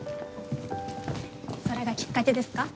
それがきっかけですか？